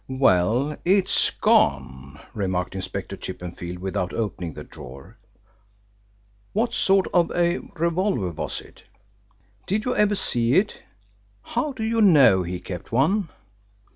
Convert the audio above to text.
"Well, it's gone," remarked Inspector Chippenfield without opening the drawer. "What sort of a revolver was it? Did you ever see it? How do you know he kept one?"